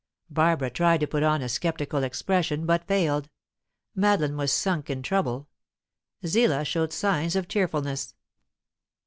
Barbara tried to put on a sceptical expression, but failed; Madeline was sunk in trouble; Zillah showed signs of tearfulness.